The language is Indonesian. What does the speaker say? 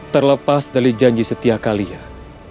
terlepas dari janji setia kalian